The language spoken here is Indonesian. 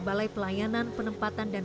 balai pelayanan penempatan dan